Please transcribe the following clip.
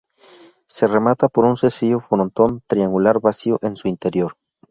Se remata por un sencillo frontón triangular vacío en su interior.